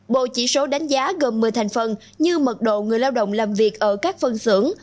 bộ chỉ số đánh giá gồm một mươi thành phần như mật độ người lao động làm việc ở các phân xưởng